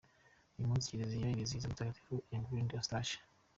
Uyu munsi Kiliziya irizihiza mutagatifu Ingrid, Eustache.